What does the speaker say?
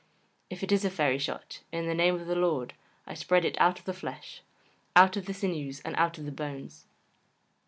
If it is a fairy shot, in the name of the Lord, I spread it out of the flesh, out of the sinews, and out of the bones.